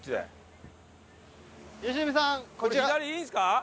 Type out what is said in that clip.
これ左でいいんですか？